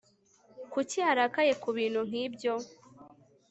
Kuki arakaye kubintu nkibyo